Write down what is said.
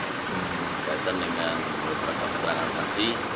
berkaitan dengan beberapa perang antarsasi